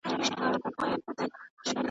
ښځي وویل بېشکه مي په زړه دي.